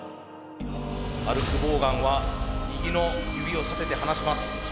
ハルク・ボーガンは右の指を立てて離します。